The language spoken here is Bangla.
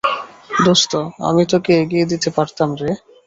দোস্ত আমি তোকে এগিয়ে দিতে পারতাম রে।